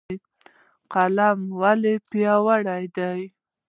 قلم ولې پیاوړی دی؟